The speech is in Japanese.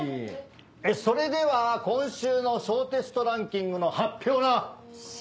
それでは今週の小テストランキングの発表な！